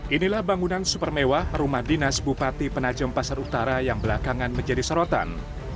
inilah bangunan super mewah rumah dinas bupati penajem pasar utara yang belakangan menjadi sorotan